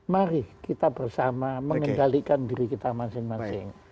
mari kita bersama mengendalikan diri kita masing masing